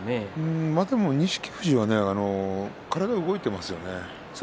富士は体が動いていますよ